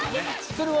それは。